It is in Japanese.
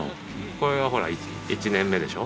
これはほら１年目でしょ。